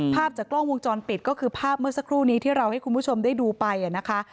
ภาพจากกล้องวงจรปิดก็คือภาพเมื่อสักครู่นี้ที่เราให้คุณผู้ชมได้ดูไปนะคะ